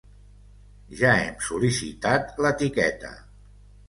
Ja hem sol·licitat l'etiqueta.